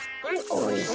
おいしい。